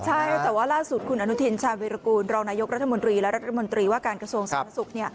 ใช่แต่ว่าล่าสุดคุณอนุทินชาญวิรากูลรองนายกรัฐมนตรีและรัฐมนตรีว่าการกระทรวงสาธารณสุข